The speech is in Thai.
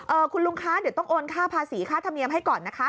คุณลุงคะเดี๋ยวต้องโอนค่าภาษีค่าธรรมเนียมให้ก่อนนะคะ